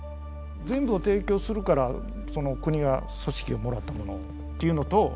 全部を提供するからその国が組織をもらったものっていうのと。